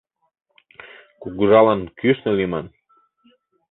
Кугыжалан кӱшнӧ лийман.